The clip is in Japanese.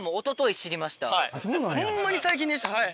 ホンマに最近でしたはい。